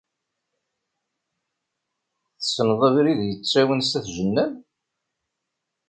Tessneḍ abrid yettawin s at Jennad?